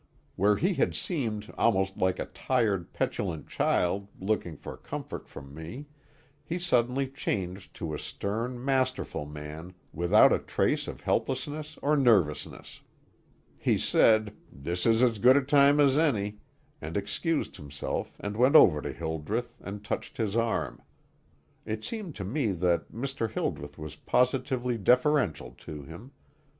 Where he had seemed almost like a tired, petulant child looking for comfort from me, he suddenly changed to a stern, masterful man without a trace of helplessness or nervousness. He said: "This is as good a time as any," and excused himself and went over to Hildreth, and touched his arm. It seemed to me that Mr. Hildreth was positively deferential to him.